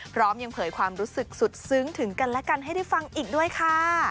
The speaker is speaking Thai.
พร้อมยังเผยความรู้สึกสุดซึ้งถึงกันและกันให้ได้ฟังอีกด้วยค่ะ